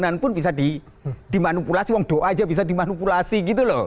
bionan pun bisa dimanipulasi doa aja bisa dimanipulasi